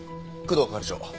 工藤係長。